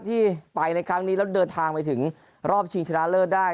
ที่ไปในครั้งนี้แล้วเดินทางไปถึงรอบชิงชนะเลิศได้